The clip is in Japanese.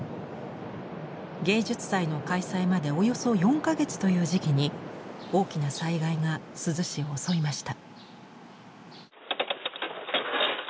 芸術祭の開催までおよそ４か月という時期に大きな災害が珠洲市を襲いました。